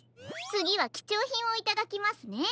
つぎはきちょうひんをいただきますね。